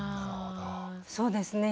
そうですね